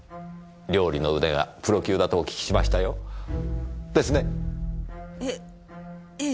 料理の腕がプロ級だとお聞きしましたよ。ですね？えええ。